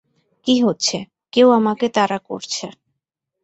কী হচ্ছে, কেউ আমাকে তাড়া করছে।